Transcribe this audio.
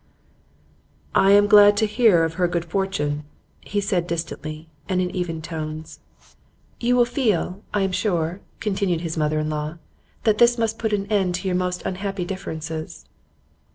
'I am glad to hear of her good fortune,' he said distantly and in even tones. 'You will feel, I am sure,' continued his mother in law, 'that this must put an end to your most unhappy differences.